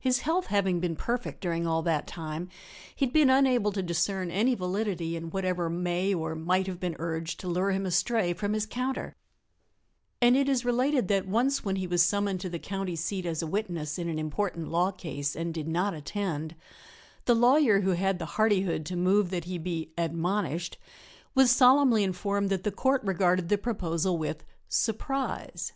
His health having been perfect during all that time, he had been unable to discern any validity in whatever may or might have been urged to lure him astray from his counter and it is related that once when he was summoned to the county seat as a witness in an important law case and did not attend, the lawyer who had the hardihood to move that he be "admonished" was solemnly informed that the Court regarded the proposal with "surprise."